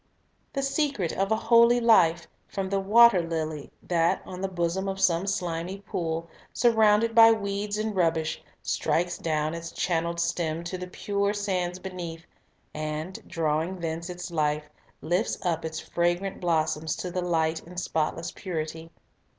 The secret of a holy life, from the water lily, that, on the bosom of some slimy pool, surrounded by weeds and rubbish, strikes down its channeled stem to the pure sands beneath, and, drawing thence its life, lifts up its fragrant blossoms to the light in spotless purity.